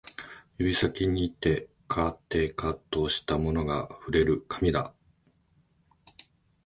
指先にてかてかとしたものが触れる、紙だ